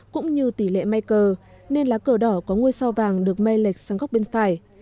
cũng như tỷ lệ may cờ nên lá cờ đỏ có ngôi sao vàng được may lệch sang góc bên phải